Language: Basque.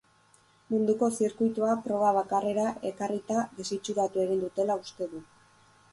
Munduko zirkuitoa proba bakarrera ekarrita desitxuratu egin dutela uste du.